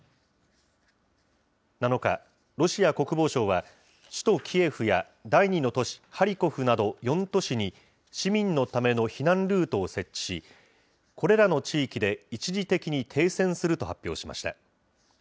７日、ロシア国防省は、首都キエフや、第２の都市ハリコフなど、４都市に、市民のための避難ルートを設置し、これらの地域で一時的に停戦すると発表しました。